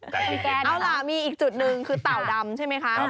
แต่พี่แกนะครับเอาล่ะมีอีกจุดหนึ่งคือเต่าดำใช่ไหมคะ